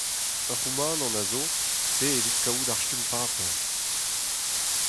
Ur c'houmanant a zo pe evit kaout ar stumm paper.